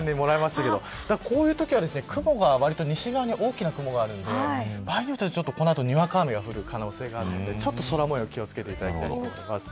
こういうときは雲がわりと西側に大きな雲があるので場合によっては、この後にわか雨が降る可能性があるのでちょっと空模様に気を付けていただきたいと思います。